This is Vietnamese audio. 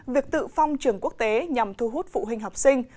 việc tự phong trường quốc tế nhằm thu hút phụ huynh học sinh